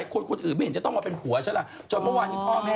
มันก็คือพี่น้องก็ปกติหรือเปล่านะ